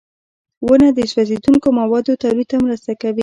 • ونه د سوځېدونکو موادو تولید ته مرسته کوي.